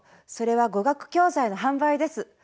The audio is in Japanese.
それは語学教材の販売です。